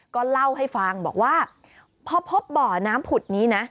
ก็เล่าให้ฟังบอกว่าพอพบบ่อน้ำผุดนี้นะ